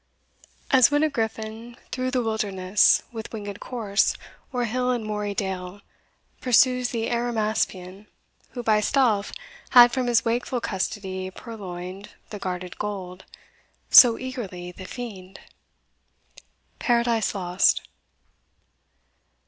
As when a Gryphon through the wilderness, With winged course, o'er hill and moory dale, Pursues the Arimaspian, who by stealth Had from his wakeful custody purloined The guarded gold: So eagerly the Fiend Paradise Lost.